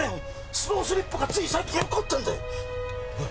スロースリップがつい最近起こったんだおい